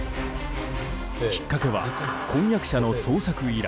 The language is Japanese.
きっかけは婚約者の捜索依頼。